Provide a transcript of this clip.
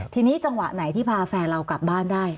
ทีนี้จังหวะไหนที่พาแฟนเรากลับบ้านได้